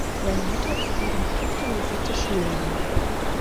Seine Mutter ist deren Tochter Lisette Schulman.